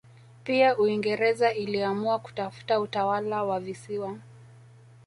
Pia Uingereza iliamua kutafuta utawala wa visiwa